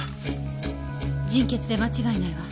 人血で間違いないわ。